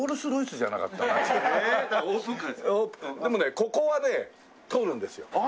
でもねここはね通るんですよ。